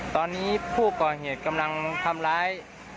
ตอนนี้ผู้ก่อเหตุกำลังทำร้าย